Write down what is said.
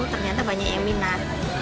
ternyata banyak yang minat